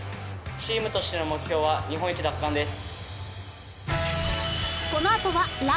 チームとしての目標は日本一奪還です。